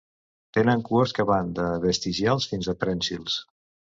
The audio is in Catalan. Tenen cues que van de vestigials fins a prènsils.